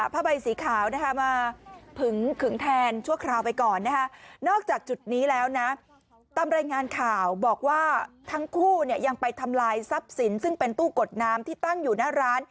ผ้าใบสีขาวนะคะมาขึงแทนชั่วคราวไปก่อนนะฮะ